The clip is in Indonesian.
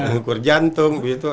ngukur jantung gitu